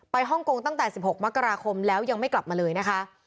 ฮ่องกงตั้งแต่๑๖มกราคมแล้วยังไม่กลับมาเลยนะคะ